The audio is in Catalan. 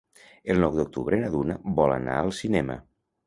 El nou d'octubre na Duna vol anar al cinema.